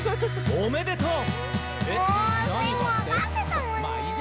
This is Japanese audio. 「おめでとう！」